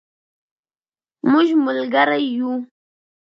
مونږ ملګری یو